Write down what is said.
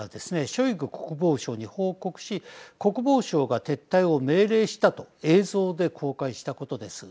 ショイグ国防相に報告し国防相が撤退を命令したと映像で公開したことです。